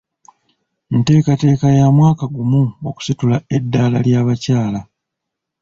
Nteekateeka ya mwaka gumu okusitula eddaala ly'abakyala.